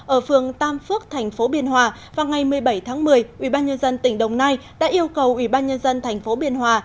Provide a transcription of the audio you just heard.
ở phường tam phước tp biên hòa vào ngày một mươi bảy tháng một mươi ubnd tỉnh đồng nai đã yêu cầu ubnd tp biên hòa